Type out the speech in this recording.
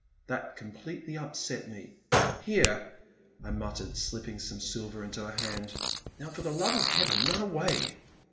That completely upset me. Here/* I mut tered, slipping some silver into her hand, now for the love of Heaven run away